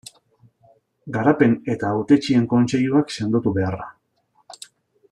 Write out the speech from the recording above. Garapen eta Hautetsien kontseiluak sendotu beharra.